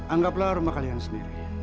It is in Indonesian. anggaplah rumah kalian sendiri